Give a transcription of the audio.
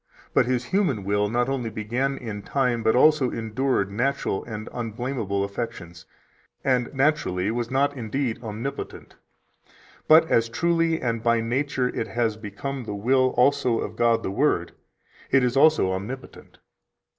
But His human will not only began in time, but also endured natural and unblamable affections, and naturally was not indeed omnipotent; but as truly and by nature it has become the will also of God the Word, it is also omnipotent."